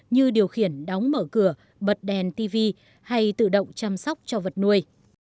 như điều khiển đóng mở cửa bật đèn tv hay tự động chăm sóc cho vật nuôi